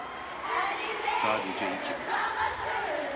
Sadece ikimiz.